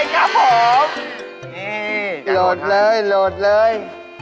นี่จังหวะท่านโหลดเลย